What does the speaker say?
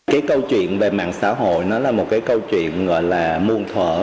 cái câu chuyện về mạng xã hội nó là một cái câu chuyện gọi là muôn thở